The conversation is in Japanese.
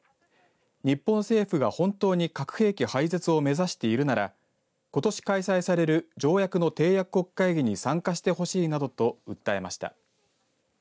日本政府が本当に核兵器廃絶を目指しているならことし開催される条約の締約国会議に参加してほしいなどと訴えました。